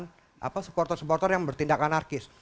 melakukan hukuman dengan supporter supporter yang bertindak anarkis